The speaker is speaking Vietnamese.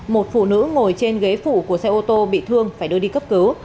một phụ nữ ngồi trên ghế phụ của xe ô tô bị thương phải đưa đi cấp cứu